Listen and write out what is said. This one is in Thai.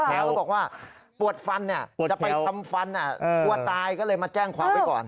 กดแถวก็บอกว่าปวดฟันเนี่ยจะไปทำฟันอ่ะปวดตายก็เลยมาแจ้งความไว้ก่อน